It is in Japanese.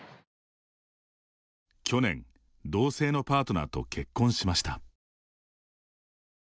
去年、同性のパートナーと結婚しました。